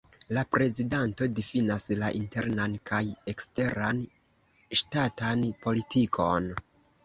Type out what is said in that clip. La prezidanto difinas la internan kaj eksteran ŝtatan politikon.